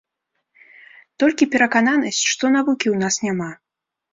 Толькі перакананасць, што навукі ў нас няма.